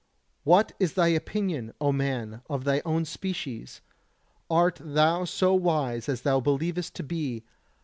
What is thy opinion, O man, of thy own species? Art thou so wise as thou believest to be?